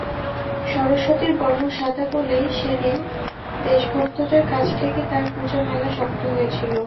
সরস্বতীর বর্ণ সাদা বলেই সেদিন দেশভক্তদের কাছ থেকে তাঁর পূজা মেলা শক্ত হয়েছিল।